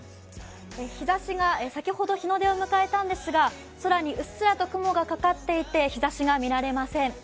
日ざしが先ほど、日の出を迎えたんですけど空にうっすらと雲がかかっていて、日ざしが見られません。